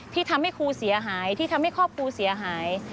ที่ทำให้ครูเสียหายที่ทำให้ครอบครูเสียหาย